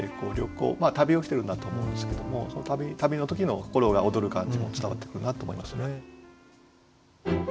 旅をしてるんだと思うんですけども旅の時の心が躍る感じも伝わってくるなと思いますね。